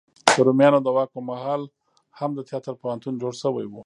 د روميانو د واک په مهال هم د تیاتر پوهنتون جوړ شوی و.